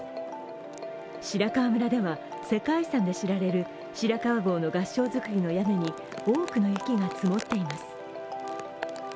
白川村では、世界遺産で知られる白川郷の合掌造りの屋根に多くの雪が積もっています。